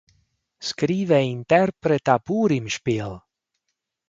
Scrive e interpreta Purimshpil!